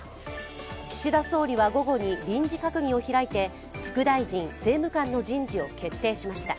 岸田総理は午後に臨時閣議を開いて副大臣、政務官の人事を決定しました。